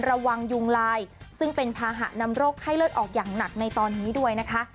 ระวังยุงลายซึ่งเป็นภาหะนำโรคไข้เลือดออกอย่างหนักในตอนนี้ด้วยนะคะ